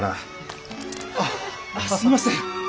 あっすいません！